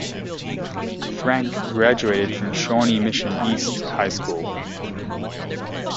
Frank graduated from Shawnee Mission East High School.